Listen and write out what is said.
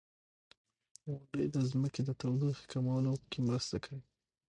• غونډۍ د ځمکې د تودوخې کمولو کې مرسته کوي.